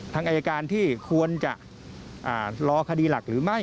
ทางอายการที่ควรจะรอคดีหลักหรือไม่